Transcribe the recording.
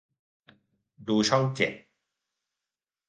ดูช่องเจ็ด